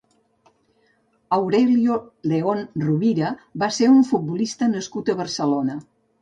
Aurelio León Rovira va ser un futbolista nascut a Barcelona.